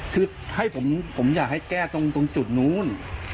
คือให้ผมอยากให้แก้ตรงจุดนู้น